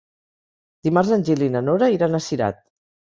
Dimarts en Gil i na Nora iran a Cirat.